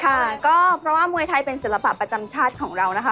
ค่ะก็เพราะว่ามวยไทยเป็นศิลปะประจำชาติของเรานะคะ